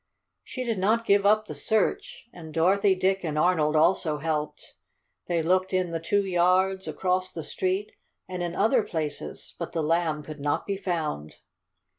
She did not give up the search, and Dorothy, Dick and Arnold also helped. They looked in the two yards, across the street, and in other places, but the Lamb could not be found.